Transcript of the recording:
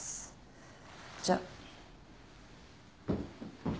じゃあ。